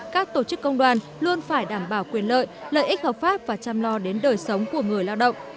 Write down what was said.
các tổ chức công đoàn luôn phải đảm bảo quyền lợi lợi ích hợp pháp và chăm lo đến đời sống của người lao động